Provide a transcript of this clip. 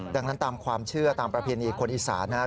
ดังนั้นตามความเชื่อตามประเพณีคนอีสานนะครับ